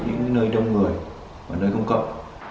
những nơi đông người và nơi công cộng